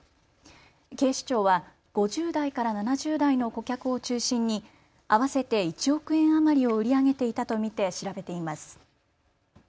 警視庁は５０代から７０代の顧客を中心に合わせて１億円余りを売り上げていたと見て調べています。